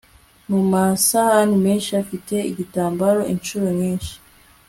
Mu masahani menshi afite igitambaro inshuro nyinshi